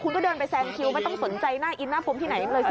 คุณก็เดินไปแซงคิวไม่ต้องสนใจหน้าอินหน้าพรมที่ไหนเลย